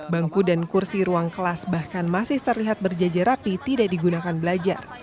tengku dan kursi ruang kelas bahkan masih terlihat berjajera pih tidak digunakan belajar